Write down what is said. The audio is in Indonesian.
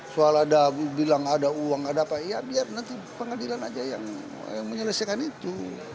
soal ada bilang ada uang ada apa iya biar nanti pengadilan aja yang menyelesaikan itu